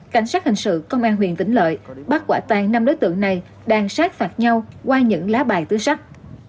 cảnh sát hình sự công an huyện tĩnh lợi bắt quả tàn năm đối tượng này đang sát phạt nhau qua những lá bài tứ sắc